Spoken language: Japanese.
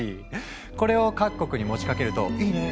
これを各国に持ちかけると「いいね！」